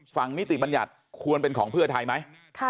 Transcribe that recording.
นิติบัญญัติควรเป็นของเพื่อไทยไหม